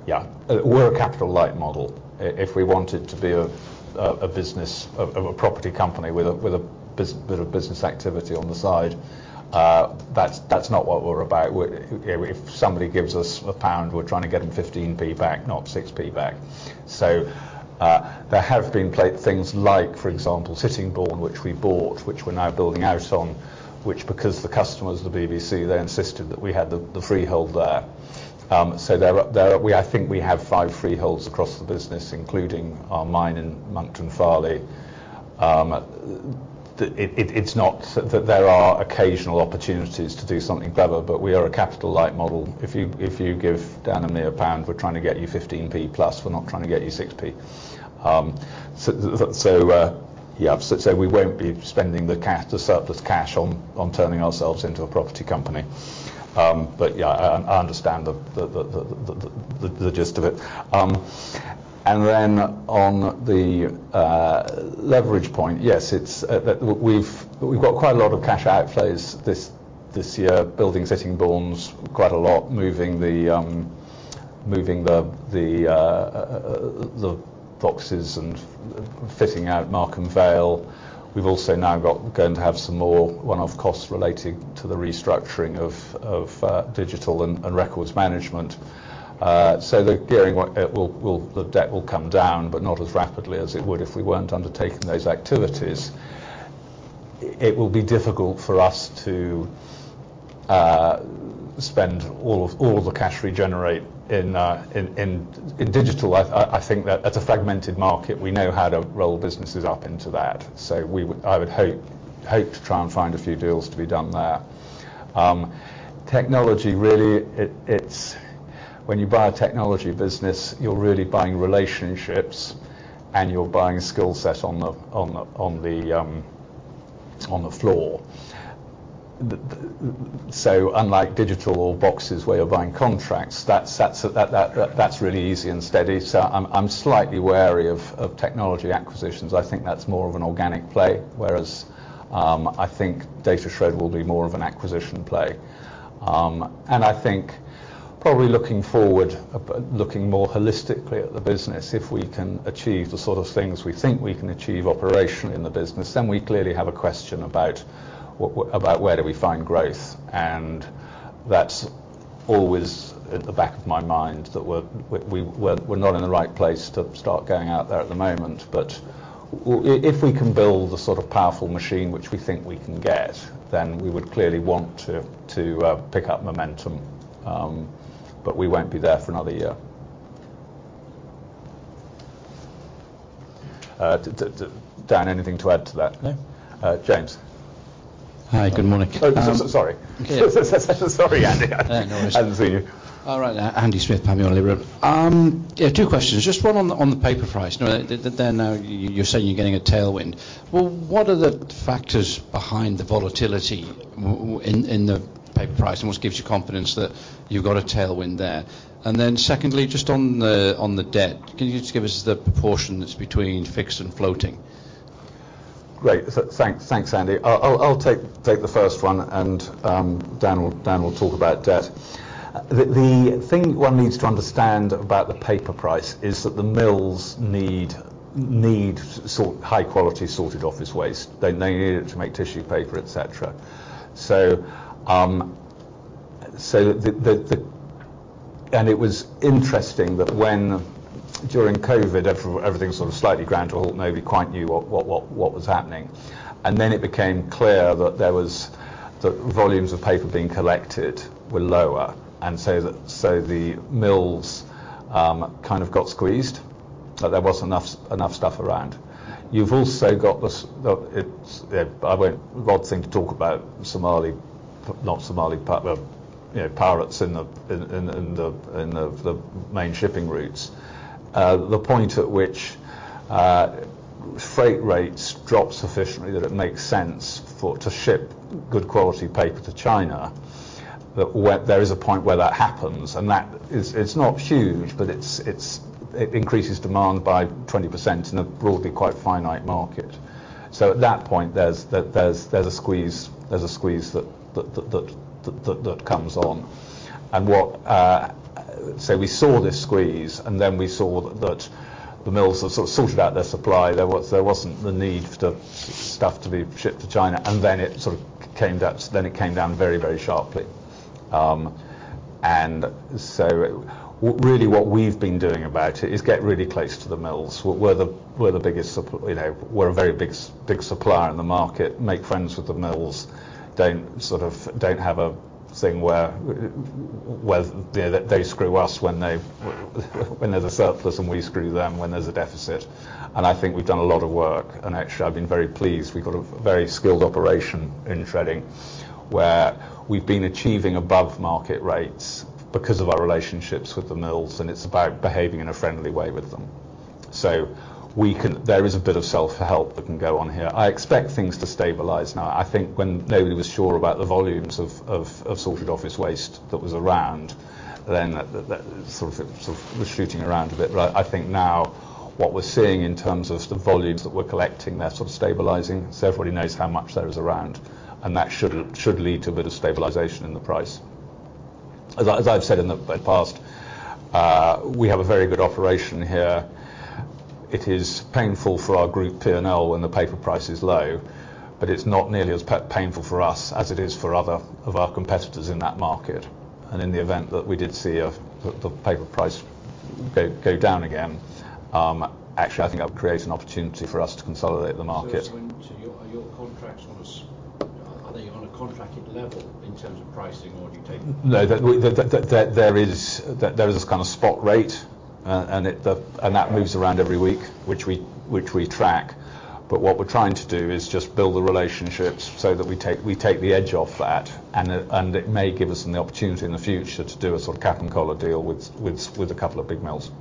Yeah. Yeah. We're a capital light model. If we wanted to be a business of a property company with a bit of business activity on the side, that's not what we're about. If somebody gives us a pound, we're trying to get them 15p back, not 6p back. So, there have been things like, for example, Sittingbourne, which we bought, which we're now building out on, which because the customers, the BBC, they insisted that we had the freehold there. So there are. I think we have five freeholds across the business, including our mine in Monkton Farleigh. It's not... There are occasional opportunities to do something clever, but we are a capital light model. If you give Dan Baker a pound, we're trying to get you 15p plus, we're not trying to get you 6p. So we won't be spending the surplus cash on turning ourselves into a property company. But I understand the gist of it. And then on the leverage point, yes, we've got quite a lot of cash outlays this year, building Sittingbourne quite a lot, moving the boxes and fitting out Markham Vale. We've also now going to have some more one-off costs relating to the restructuring of Digital and Records Management. So the gearing will, the debt will come down, but not as rapidly as it would if we weren't undertaking those activities. It will be difficult for us to spend all the cash we generate in Digital. I think that's a fragmented market. We know how to roll businesses up into that, so we would, I would hope to try and find a few deals to be done there. Technology, really, it's when you buy a Technology business, you're really buying relationships, and you're buying a skill set on the floor. So unlike Digital boxes, where you're buying contracts, that's really easy and steady, so I'm slightly wary of Technology acquisitions. I think that's more of an organic play, whereas, I think Datashred will be more of an acquisition play. And I think probably looking forward, looking more holistically at the business, if we can achieve the sort of things we think we can achieve operationally in the business, then we clearly have a question about where do we find growth? And that's always at the back of my mind, that we're not in the right place to start going out there at the moment. But if, if we can build a sort of powerful machine, which we think we can get, then we would clearly want to pick up momentum. But we won't be there for another year. Dan, anything to add to that? No. Uh, James. Hi, good morning. Oh, sorry. Sorry, Andy. No worries. I hadn't seen you. All right, Andy Smith, Panmure Gordon. Yeah, two questions. Just one on the paper price. Now, that you're saying you're getting a tailwind. Well, what are the factors behind the volatility in the paper price, and what gives you confidence that you've got a tailwind there? And then secondly, just on the debt, can you just give us the proportions between fixed and floating? Great. Thanks, thanks, Andy. I'll take the first one, and Dan will talk about debt. The thing one needs to understand about the paper price is that the mills need high quality sorted office waste. They need it to make tissue paper, et cetera. And it was interesting that when, during COVID, everything sort of slightly ground to a halt, nobody quite knew what was happening. And then it became clear that there was, the volumes of paper being collected were lower, and so the mills kind of got squeezed. So there wasn't enough stuff around. You've also got this, it's, I won't. Odd thing to talk about Somali, not Somali, you know, pirates in the main shipping routes. The point at which freight rates drop sufficiently that it makes sense to ship good quality paper to China, that where there is a point where that happens, and that is, it's not huge, but it increases demand by 20% in a broadly quite finite market. So at that point, there's a squeeze that comes on. So we saw this squeeze, and then we saw that the mills had sort of sorted out their supply. There wasn't the need for stuff to be shipped to China, and then it sort of came down, then it came down very, very sharply. And so really, what we've been doing about it is get really close to the mills. We're the, we're the biggest supplier, you know, we're a very big supplier in the market, make friends with the mills, don't sort of, don't have a thing where, where they screw us when there's a surplus, and we screw them when there's a deficit. And I think we've done a lot of work, and actually, I've been very pleased. We've got a very skilled operation in shredding, where we've been achieving above market rates because of our relationships with the mills, and it's about behaving in a friendly way with them. So, there is a bit of self-help that can go on here. I expect things to stabilize now. I think when nobody was sure about the volumes of sorted office waste that was around, then that sort of was shooting around a bit. But I think now what we're seeing in terms of the volumes that we're collecting, they're sort of stabilizing. So everybody knows how much there is around, and that should lead to a bit of stabilization in the price. As I've said in the past, we have a very good operation here. It is painful for our group P&L when the paper price is low, but it's not nearly as painful for us as it is for other of our competitors in that market. In the event that we did see the paper price go down again, actually, I think that would create an opportunity for us to consolidate the market. So are your contracts on a contracted level in terms of pricing, or do you take? No. There is this kind of spot rate, and that moves around every week, which we track. But what we're trying to do is just build the relationships so that we take the edge off that, and it may give us an opportunity in the future to do a sort of cap and collar deal with a couple of big mills.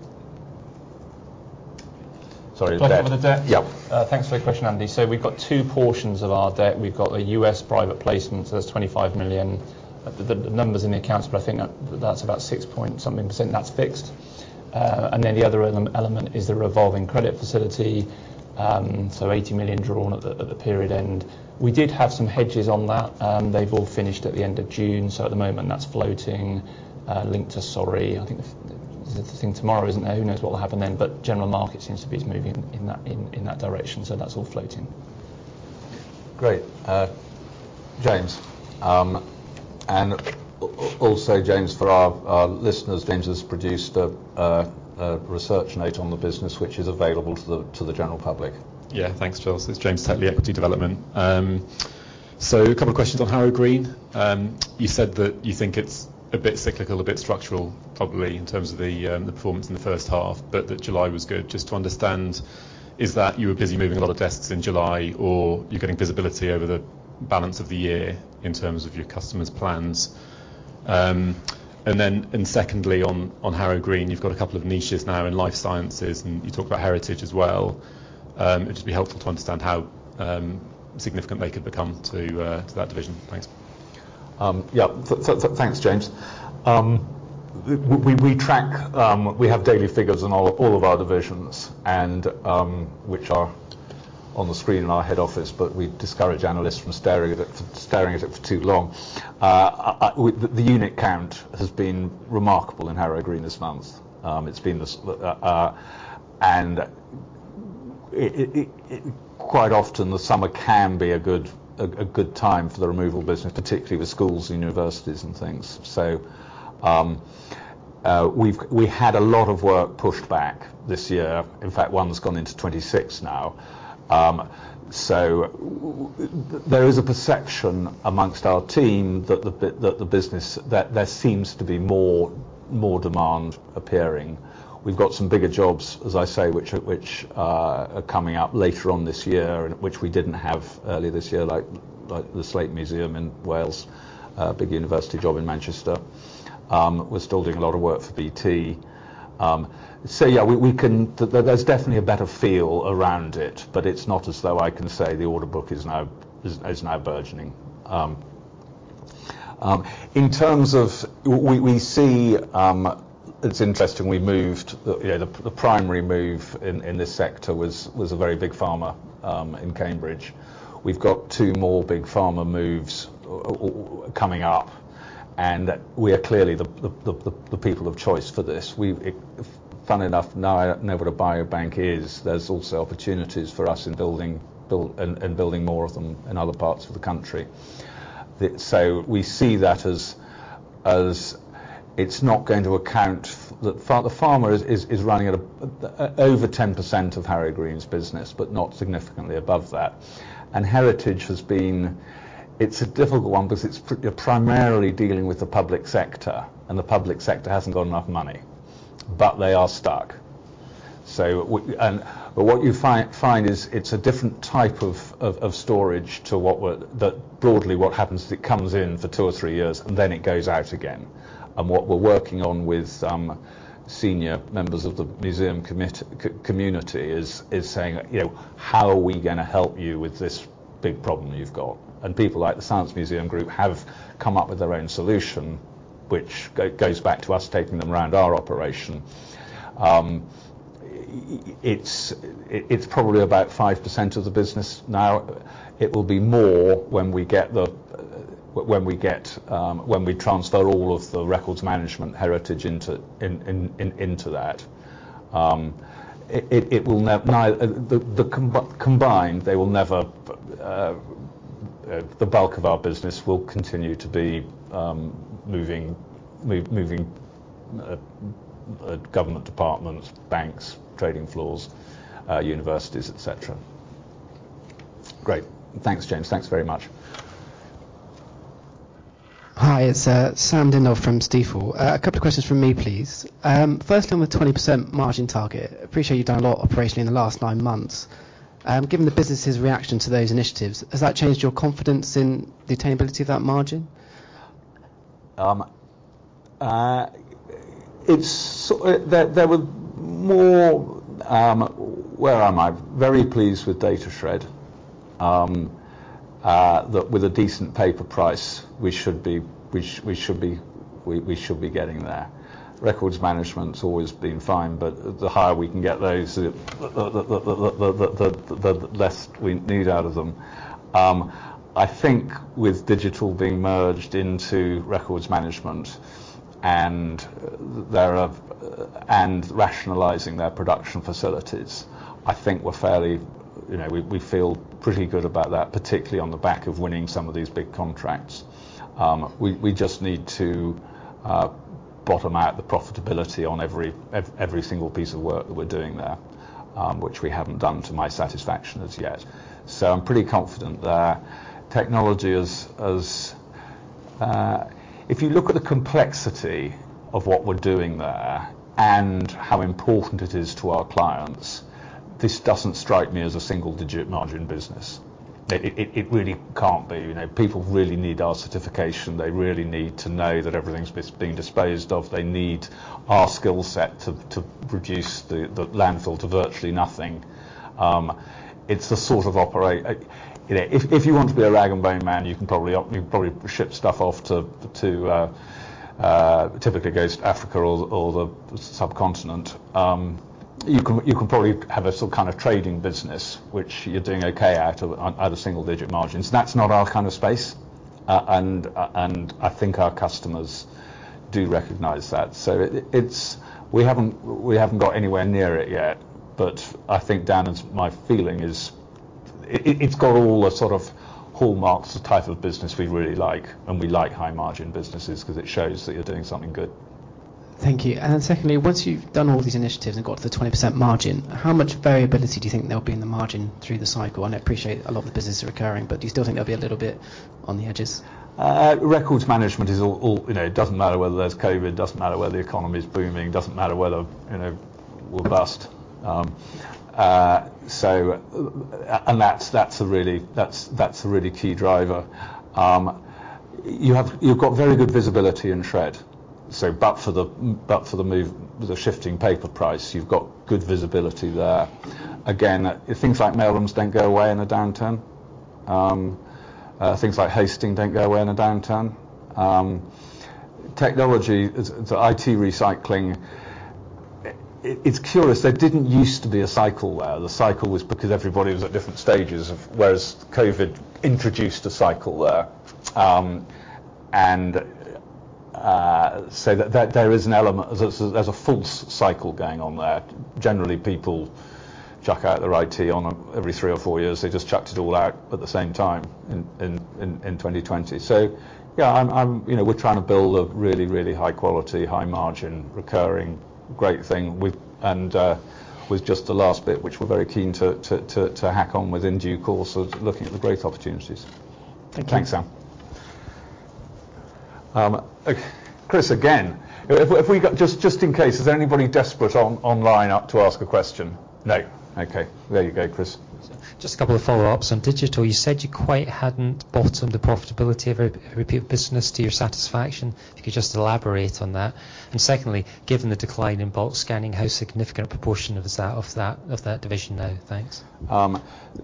Sorry, Dan. Can I cover the debt? Yeah. Thanks for your question, Andy. So we've got two portions of our debt. We've got a U.S. private placement, so that's $25 million. The numbers in the accounts, but I think that, that's about 6 point something percent, that's fixed. And then the other element is the revolving credit facility. So 80 million drawn at the period end. We did have some hedges on that. They've all finished at the end of June, so at the moment, that's floating, linked to. Sorry. I think the thing tomorrow, isn't it? Who knows what will happen then, but general market seems to be moving in that direction. So that's all floating. Great. James. And also James, for our listeners, James has produced a research note on the business, which is available to the general public. Yeah. Thanks, Charles. It's James Tetley, Equity Development. So a couple of questions on Harrow Green. You said that you think it's a bit cyclical, a bit structural, probably, in terms of the performance in the first half, but that July was good. Just to understand, is that you were busy moving a lot of desks in July, or you're getting visibility over the balance of the year in terms of your customers' plans? And then, secondly, on Harrow Green, you've got a couple of niches now in life sciences, and you talk about heritage as well. It'd just be helpful to understand how significant they could become to that division. Thanks. Yeah. Thanks, James. We track. We have daily figures on all of our divisions and which are on the screen in our head office, but we discourage analysts from staring at it for too long. The unit count has been remarkable in Harrow Green this month. It's been this. And it quite often, the summer can be a good time for the removal business, particularly with schools and universities and things. So, we've had a lot of work pushed back this year. In fact, one's gone into 2026 now. So there is a perception amongst our team that the business that there seems to be more demand appearing. We've got some bigger jobs, as I say, which are coming up later on this year, and which we didn't have earlier this year, like the Slate Museum in Wales, a big university job in Manchester. We're still doing a lot of work for BT. So yeah, we can. There's definitely a better feel around it, but it's not as though I can say the order book is now burgeoning. In terms of we see, it's interesting, we moved, you know, the primary move in this sector was a very big pharma in Cambridge. We've got two more big pharma moves coming up, and we are clearly the people of choice for this. We, funny enough, now I know what a biobank is. There's also opportunities for us in building more of them in other parts of the country. So we see that as it's not going to account. The pharma is running at over 10% of Harrow Green's business, but not significantly above that. And heritage has been, it's a difficult one because you're primarily dealing with the public sector, and the public sector hasn't got enough money, but they are stuck. So and but what you find is it's a different type of storage to what we're that broadly, what happens is it comes in for two or three years, and then it goes out again. What we're working on with some senior members of the museum committee is saying, you know, "How are we gonna help you with this big problem you've got?" And people like the Science Museum Group have come up with their own solution, which goes back to us taking them around our operation. It's probably about 5% of the business now. It will be more when we transfer all of the Records Management heritage into that. It will never, the combined, they will never. The bulk of our business will continue to be moving government departments, banks, trading floors, universities, et cetera. Great. Thanks, James. Thanks very much. Hi, it's Sam Dindol from Stifel. A couple of questions from me, please. First on the 20% margin target. I appreciate you've done a lot operationally in the last nine months. Given the business's reaction to those initiatives, has that changed your confidence in the attainability of that margin? There were more. Very pleased with Datashred. That with a decent paper price, we should be getting there. Records Management's always been fine, but the higher we can get those, the less we need out of them. I think with Digital being merged into Records Management and rationalizing their production facilities, I think we're fairly, you know, we feel pretty good about that, particularly on the back of winning some of these big contracts. We just need to bottom out the profitability on every single piece of work that we're doing there, which we haven't done to my satisfaction as yet. So I'm pretty confident there. Technology is. If you look at the complexity of what we're doing there and how important it is to our clients, this doesn't strike me as a single-digit margin business. It really can't be. You know, people really need our certification. They really need to know that everything's being disposed of. They need our skill set to reduce the landfill to virtually nothing. It's the sort of operation. You know, if you want to be a rag and bone man, you can probably ship stuff off to Africa or the subcontinent. You can probably have a sort of kind of trading business, which you're doing okay out of single-digit margins. That's not our kind of space. I think our customers do recognize that. We haven't got anywhere near it yet, but I think, Dan, my feeling is, it's got all the sort of hallmarks of the type of business we really like, and we like high-margin businesses because it shows that you're doing something good. Thank you. And secondly, once you've done all these initiatives and got to the 20% margin, how much variability do you think there'll be in the margin through the cycle? And I appreciate a lot of the business is recurring, but do you still think there'll be a little bit on the edges? Records Management is all. You know, it doesn't matter whether there's COVID. It doesn't matter whether the economy is booming. It doesn't matter whether, you know, we're bust. So, and that's a really key driver. You have. You've got very good visibility in shred, so but for the, but for the move, the shifting paper price, you've got good visibility there. Again, things like mail rooms don't go away in a downturn. Things like hosting don't go away in a downturn. Technology, so IT recycling, it, it's curious, there didn't used to be a cycle there. The cycle was because everybody was at different stages of, whereas COVID introduced a cycle there. And, so there, there is an element, there's, there's a false cycle going on there. Generally, people chuck out their IT every three or four years. They just chucked it all out at the same time in 2020. So yeah, I'm you know, we're trying to build a really, really high quality, high margin, recurring, great thing and with just the last bit, which we're very keen to hack on in due course, so looking at the great opportunities. Thank you. Thanks, Sam. Okay, Chris, again, if we've got just in case, is there anybody desperate online to ask a question? No. Okay, there you go, Chris. Just a couple of follow-ups. On Digital, you said you hadn't quite bottomed the profitability of repeat business to your satisfaction. If you could just elaborate on that. And secondly, given the decline in bulk scanning, how significant a proportion is that of that division now? Thanks.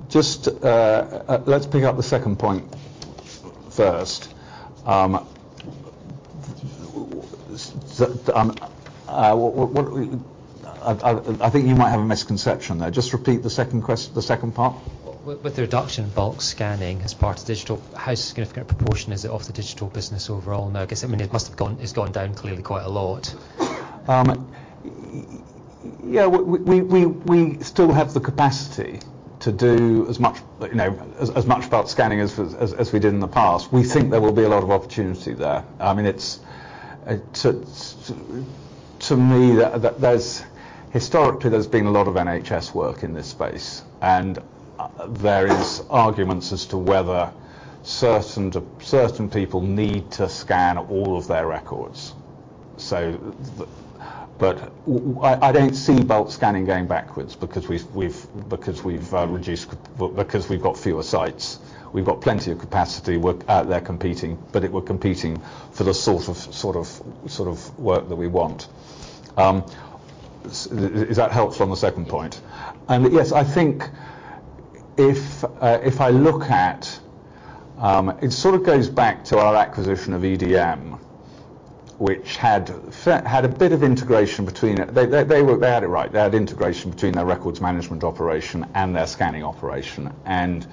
Just, let's pick up the second point first. What I think you might have a misconception there. Just repeat the second part. With the reduction in bulk scanning as part of Digital, how significant a proportion is it of the Digital business overall now? Because, I mean, it's gone down clearly quite a lot. Yeah, we still have the capacity to do as much, you know, as much bulk scanning as we did in the past. We think there will be a lot of opportunity there. I mean, it's to me, there's historically been a lot of NHS work in this space, and various arguments as to whether certain people need to scan all of their records. But I don't see bulk scanning going backwards because we've reduced, because we've got fewer sites. We've got plenty of capacity out there competing, but we're competing for the sort of work that we want. Is that helpful on the second point? Yes, I think if I look at.. It sort of goes back to our acquisition of EDM, which had a bit of integration between it. They were. They had it right. They had integration between their records management operation and their scanning operation. And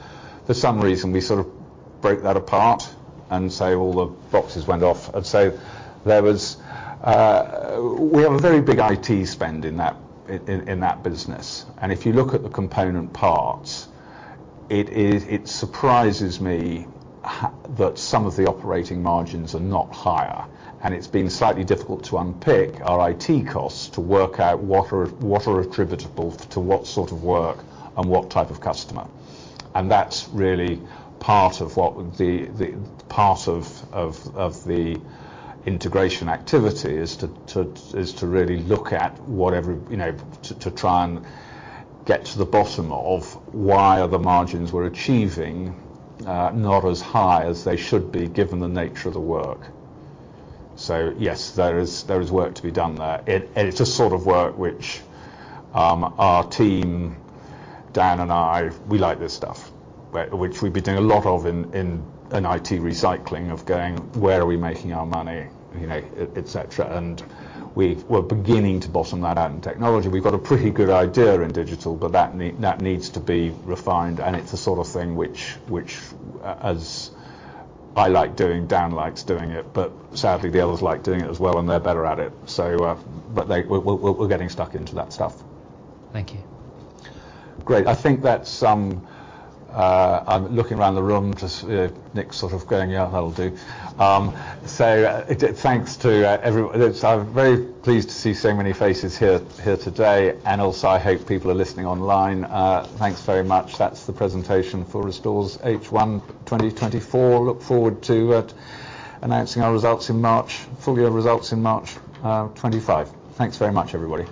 for some reason, we sort of broke that apart, and so all the boxes went off. And so there was. We have a very big IT spend in that business. And if you look at the component parts, it is it surprises me that some of the operating margins are not higher, and it's been slightly difficult to unpick our IT costs to work out what are attributable to what sort of work and what type of customer. And that's really part of what the part of the integration activity is to really look at what every, you know, to try and get to the bottom of why are the margins we're achieving not as high as they should be, given the nature of the work. So yes, there is work to be done there. And it's the sort of work which our team, Dan and I, we like this stuff, which we've been doing a lot of in IT recycling, of going, where are we making our money? You know, et cetera. And we're beginning to bottom that out in Technology. We've got a pretty good idea in Digital, but that need, that needs to be refined, and it's the sort of thing which, as I like doing, Dan likes doing it, but sadly, the others like doing it as well, and they're better at it. So, but we're getting stuck into that stuff. Thank you. Great. I think that's. I'm looking around the room, just, Nick sort of going, "Yeah, that'll do." So thanks to, I'm very pleased to see so many faces here, here today, and also, I hope people are listening online. Thanks very much. That's the presentation for Restore's H1 2024. Look forward to, announcing our results in March, full year results in March, 2025. Thanks very much, everybody.